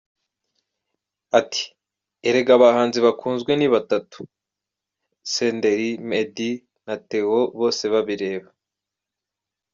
Ati “Erega abahanzi bakunzwe ni batatu, Senderi, Meddy na Theo Bosebabireba.